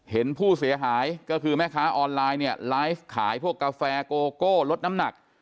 เห็นผู้เสียหายก็คือแม่ค้าออนไลน์เนี่ยไลฟ์ขายพวกกาแฟโกโก้ลดน้ำหนัก